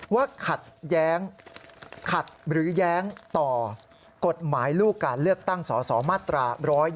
ว่าขัดแย้งขัดหรือแย้งต่อกฎหมายลูกการเลือกตั้งสสมาตรา๑๒